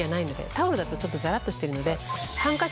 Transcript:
タオルだとちょっとザラっとしてるので。